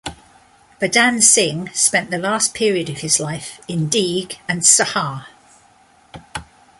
Badan Singh spent the last period of his life in Deeg and Sahar.